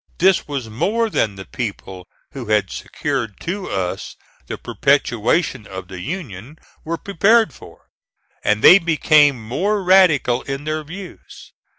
This was more than the people who had secured to us the perpetuation of the Union were prepared for, and they became more radical in their views.